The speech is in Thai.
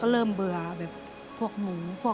เริ่มเบื่อแบบพวกหมูพวก